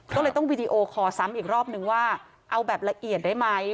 ก็เลยต้องวีดีโอคอร์ซ้ำอีกรอบนึงว่าเอาแบบละเอียดได้ไหม